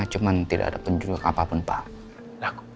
cuman tidak ada penjujuk apapun pak